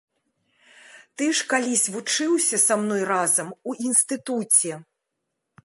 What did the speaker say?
Ты ж калісь вучыўся са мной разам у інстытуце.